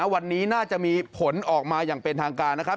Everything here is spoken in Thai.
วันนี้น่าจะมีผลออกมาอย่างเป็นทางการนะครับ